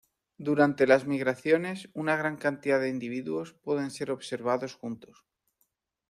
Durante las migraciones una gran cantidad de individuos pueden ser observados juntos.